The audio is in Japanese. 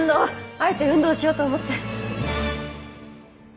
あえて運動しようと思って。